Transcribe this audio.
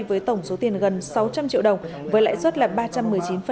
với tổng số tiền gần sáu trăm linh triệu đồng với lãi suất là ba trăm một mươi chín